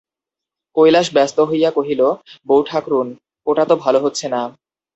কৈলাস ব্যস্ত হইয়া কহিল, বউঠাকরুন, ওটা তো ভালো হচ্ছে না।